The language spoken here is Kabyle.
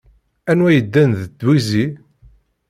Anwa yeddan d twizi?